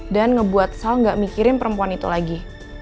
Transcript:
dan ngebuat sal gak mikirin perempuan itu lagi